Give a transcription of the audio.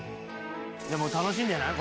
「でも楽しいんじゃない？